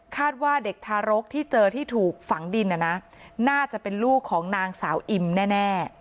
ว่าเด็กทารกที่เจอที่ถูกฝังดินน่าจะเป็นลูกของนางสาวอิมแน่